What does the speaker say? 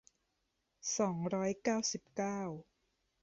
สองร้อยเก้าสิบเก้า